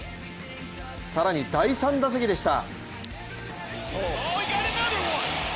更に第３打席でした。